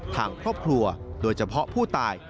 ทางครอบครัวโดยเฉพาะผู้ตาย